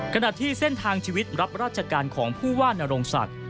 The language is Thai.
ขณะที่เส้นทางชีวิตรับราชการของผู้ว่านโรงศักดิ์